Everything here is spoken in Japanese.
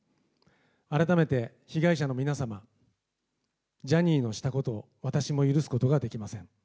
改めて被害者の皆様、ジャニーのしたことを私も許すことができません。